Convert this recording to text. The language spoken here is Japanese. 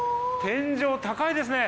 天井高いですよね。